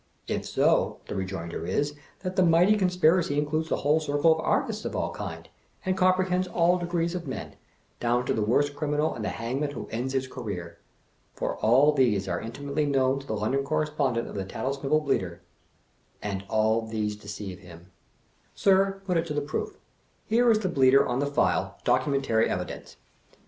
If so, the rejoinder is, that the mighty conspir acy includes the whole circle of Artists of all kinds, and comprehends all degrees of men, down to the worst criminal and the hangman who ends his career. For all these are intimately known to the London Correspondent of The Tat tlesnivel Bleater, and all these deceive him. Sir, put it to the proof. There is the Bleater on the file — documentary evidence.